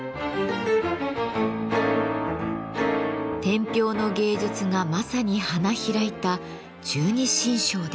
天平の芸術がまさに花開いた十二神将です。